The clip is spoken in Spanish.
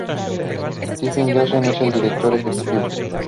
Stephen Joseph es el Director Ejecutivo.